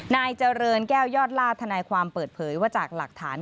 นายเจริญแก้วยอดลาดทนายความเปิดเผยว่าจากหลักฐาน